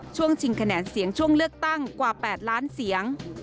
ช่วงชิงคะแนนเสียงช่วงเลือกตั้งกว่า๘ล้านกว่าเหลือเซียง